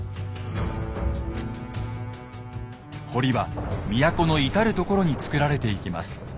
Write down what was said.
堀は都の至る所に造られていきます。